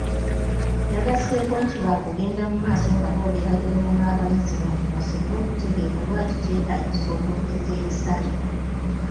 Yagaseeko nti baakugenda mu maaso nga boogeraganya n'abayizi baabwe basobole okutegeera lwaki kyetaagisa okwongeza ebisale.